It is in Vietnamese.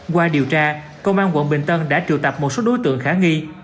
qua điều tra công an quận bình tân đã triệu tập một số đối tượng khả nghi